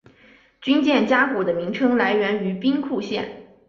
军舰加古的名称来源于兵库县的。